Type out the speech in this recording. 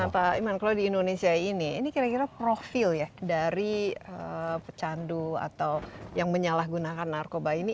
nah pak iman kalau di indonesia ini ini kira kira profil ya dari pecandu atau yang menyalahgunakan narkoba ini